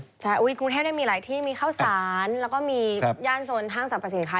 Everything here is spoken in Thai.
ใช่กรุงเทพมีหลายที่มีข้าวสารแล้วก็มีย่านโซนห้างสรรพสินค้า